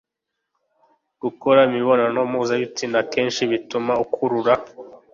Gukora imibonano mpuzabitsina kenshi bituma ukurura